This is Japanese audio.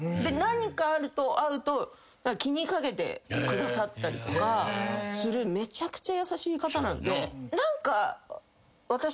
で何かあると会うと気に掛けてくださったりとかするめちゃくちゃ優しい方なんで。